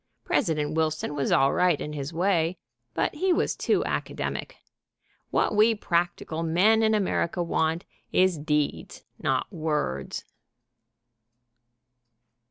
President Wilson was all right in his way, but he was too academic. What we practical men in America want is deeds, not words.